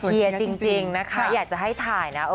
เชียร์จริงนะคะอยากจะให้ถ่ายนะ